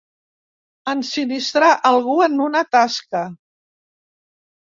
Ensinistrar algú en una tasca.